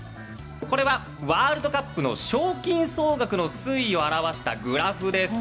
ワールドカップの賞金総額の推移を表したグラフです。